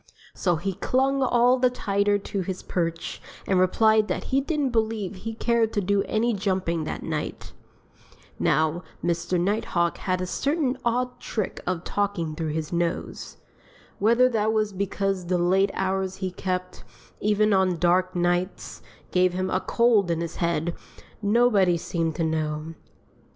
So he clung all the tighter to his perch and replied that he didn't believe he cared to do any jumping that night. Now, Mr. Nighthawk had a certain odd trick of talking through his nose. Whether that was because the late hours he kept, even on dark nights, gave him a cold in his head, nobody seemed to know.